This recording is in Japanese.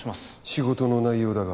仕事の内容だが。